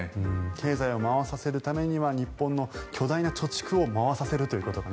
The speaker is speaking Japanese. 経済を回させるためには日本の巨大な貯蓄を回させるということが。